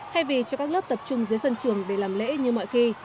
thay vì cho các lớp tập trung dưới sân trường để làm lễ như mọi khi